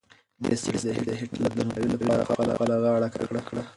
دې سړي د هېټلر د درناوي لپاره خپله غاړه کږه کړه.